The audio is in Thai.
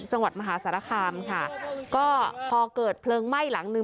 จังหวัดมหาสารคามค่ะก็พอเกิดเพลิงไหม้หลังนึง